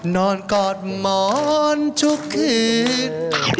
นอนกอดมอนทุกคืน